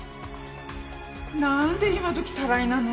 なんで今時たらいなの？